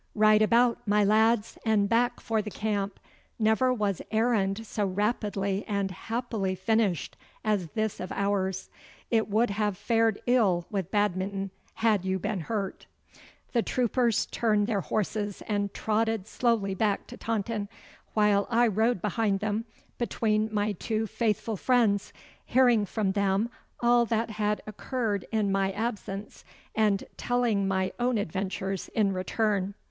Right about, my lads, and back for the camp. Never was errand so rapidly and happily finished as this of ours. It would have fared ill with Badminton had you been hurt.' The troopers turned their horses and trotted slowly back to Taunton, while I rode behind them between my two faithful friends, hearing from them all that had occurred in my absence, and telling my own adventures in return.